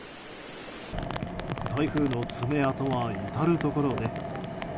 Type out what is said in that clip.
台風の爪痕は至るところで。